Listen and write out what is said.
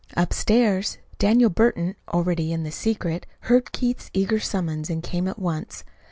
Upstairs, Daniel Burton, already in the secret, heard Keith's eager summons and came at once.